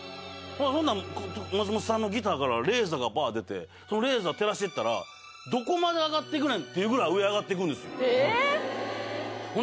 ほんなら松本さんのギターからレーザーがバッ出てそのレーザー照らしていったらどこまで上がっていくねん？っていうぐらい上上がっていくえ